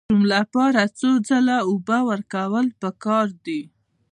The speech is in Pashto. د ماشو لپاره څو ځله اوبه ورکول پکار دي؟